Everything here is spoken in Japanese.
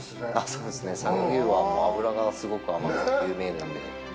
そうですね、佐賀牛は脂がすごく甘くて有名なんで。